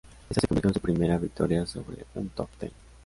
Esta se convirtió en su primera victoria sobre un top ten.